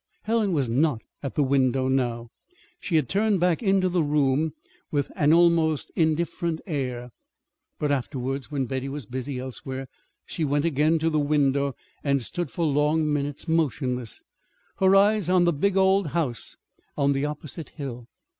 Helen was not at the window now. She had turned back into the room with almost an indifferent air. But afterwards, when Betty was busy elsewhere, she went again to the window and stood for long minutes motionless, her eyes on the big old house on the opposite hill.